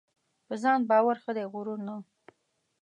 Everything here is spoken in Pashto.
په ځان باور ښه دی ؛غرور نه .